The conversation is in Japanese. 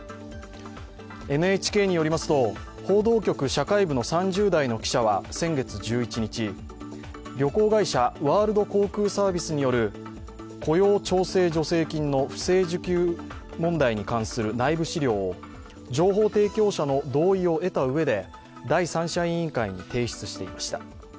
ＮＨＫによりまと、報道局社会部の３０代の記者は先月１１日、旅行会社、ワールド航空サービスによる雇用調整助成金の不正受給問題に関する内部資料を情報提供者の同意を得た上で、第三者委員会に提出していました。